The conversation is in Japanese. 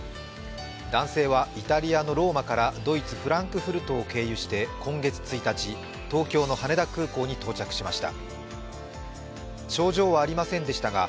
男性はイタリアのローマからドイツ・フランクフルトを経由して今月１日、東京の羽田空港に到着しました。